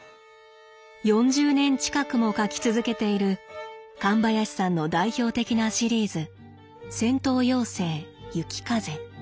４０年近くも書き続けている神林さんの代表的なシリーズ「戦闘妖精・雪風」。